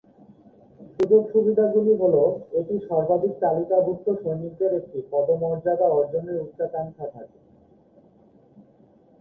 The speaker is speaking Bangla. সুযোগ সুবিধাগুলি সহ, এটি সর্বাধিক তালিকাভুক্ত সৈনিকদের এই পদমর্যাদা অর্জনের উচ্চাকাঙ্ক্ষা থাকে।